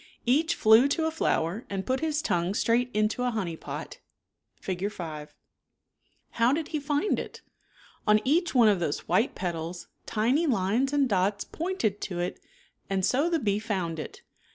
Each flew to a flower and piit his tongue straight into a honey pot {Fig. 5). How did he find it? On each one of those white petals, tiny lines and dots pointed to it and so the bee found it.